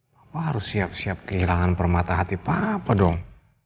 bapak harus siap siap kehilangan permata hati papa dong